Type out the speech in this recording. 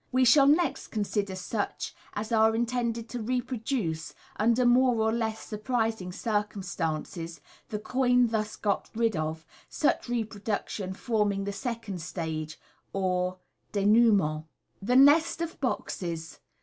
We shall next consider such as are intended to reproduce, under more or less surprising circumstances, the coin thus got rid of, such reproduction forming the second stage, or denouement. The Nest op Boxes.